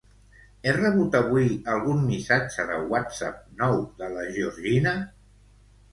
He rebut avui algun missatge de Whatsapp nou de la Georgina?